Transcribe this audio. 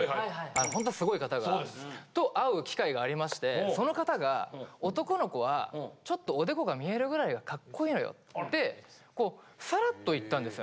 ホントすごい方と会う機会がありましてその方が「男の子はちょっとおでこが見えるぐらいがかっこいいのよ」ってさらっと言ったんです。